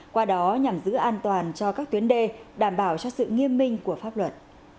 qua đó nhằm giữ an toàn cho các tuyến đê đảm bảo cho sự nghiêm minh của pháp luật